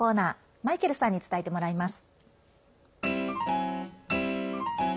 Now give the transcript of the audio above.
マイケルさんに伝えてもらいます。